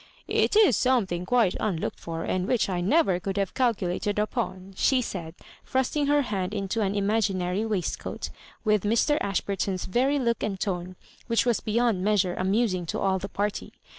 ''It is BomethiAg quite unlocked for, and which I never could have calculated upon," she said, thrusting her hand into an imaginary waistcoat, with Mr. Ashburton's very look and tone, which was beyond measure amusing to all the party.